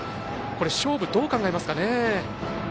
勝負、どう考えますかね。